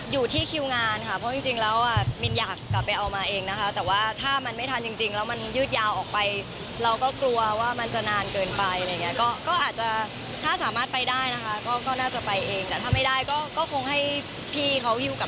อยู่ที่คิวงานค่ะเพราะจริงแล้วมินอยากกลับไปเอามาเองนะคะ